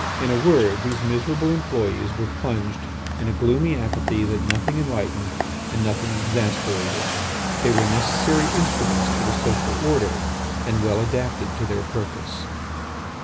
In a word, these miserable employees were plunged in a gloomy apathy that nothing enlightened and nothing exasperated. They were necessary instruments for the social order and well adapted to their purpose.